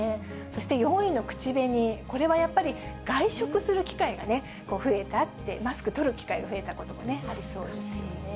そして４位の口紅、これはやっぱり外食する機会が増えたって、マスク取る機会が増えたということもありそうですよね。